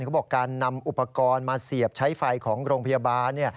เขาบอกการนำอุปกรณ์มาเสียบใช้ไฟของโรงพยาบาล